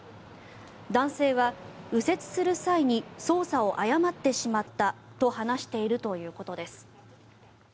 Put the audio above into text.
男性は、右折する際に操作を誤ってしまったと話しているということです。